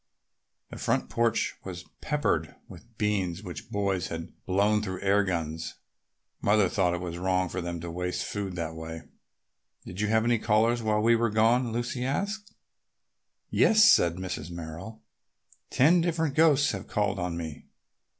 The front porch was peppered with beans which boys had blown through air guns. Mother thought it wrong for them to waste food in that way. "Did you have any callers while we were gone?" Lucy asked. "Yes," said Mrs. Merrill. "Ten different ghosts have called on me.